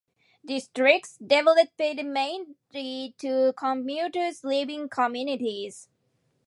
Districts developed mainly to commuters living communities.